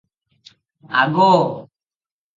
ଆଗୋ!